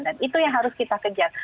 dan itu yang harus kita kejar